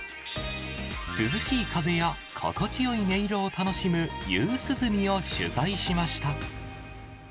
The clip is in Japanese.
涼しい風や心地よい音色を楽しむ夕涼みを取材しました。